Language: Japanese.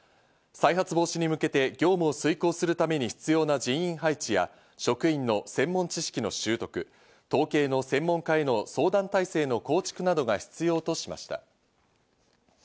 再発防止に向けて業務を遂行するために必要な人員配置や、職員の専門知識の習得、統計の専門家への相談体制の構築などが必要としました。